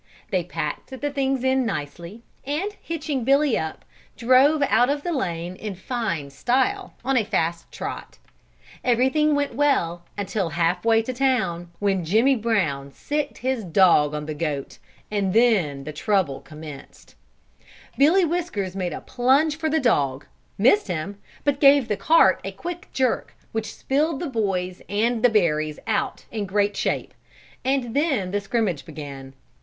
They packed the things in nicely, and hitching Billy up, drove out of the lane in fine style, on a fast trot. Everything went well until half way to town, when Jimmy Brown sicked his dog on the goat, and then the trouble commenced. [Illustration: IN TWO MINUTES, HE HAD SENT THE DOG FLYING OVER THE FENCE.] Billy Whiskers made a plunge for the dog, missed him, but gave the cart a quick jerk, which spilled the boys and the berries out in great shape, and then the scrimmage began.